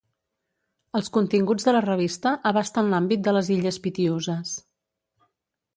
Els continguts de la revista abasten l'àmbit de les Illes Pitiüses.